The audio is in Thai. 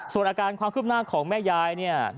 ส่วนอาการความคืบหน้าของแม่ยายเนี่ย